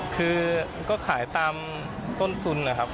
คือก็ขายตามต้นทุนนะครับ